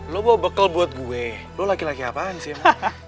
lo bawa bekal buat gue lo laki laki apaan sih